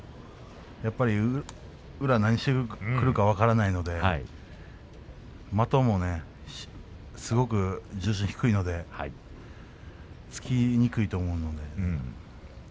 宇良は何をしてくるか分からないので的も重心が低いのでつきにくいと思うので。